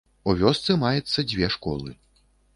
У вёсцы маецца дзве школы.